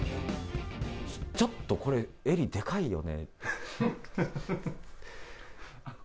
ちょっとこれ、襟でかいよねと。